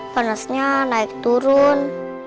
panasnya naik turun